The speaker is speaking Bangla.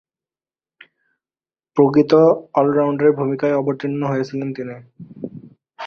প্রকৃত অল-রাউন্ডারের ভূমিকায় অবতীর্ণ হয়েছিলেন তিনি।